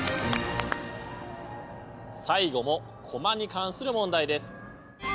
最後もコマに関する問題です。